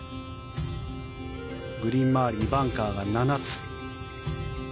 グリーン周りにバンカーが７つ。